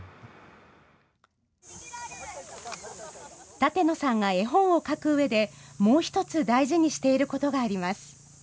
舘野さんが絵本を描くうえでもう１つ大事にしていることがあります。